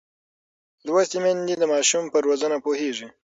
لوستې میندې د ماشوم پر روزنه پوهېږي.